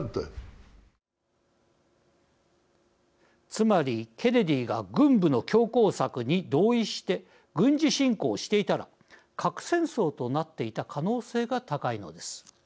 つまり、ケネディが軍部の強硬策に同意して軍事侵攻していたら核戦争となっていた可能性が高いのです。